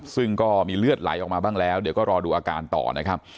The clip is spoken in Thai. ซึ่งก็มีเลือดไหลออกมาบ้างแล้วเดี๋ยวก็รอดูอาการต่อนะครับ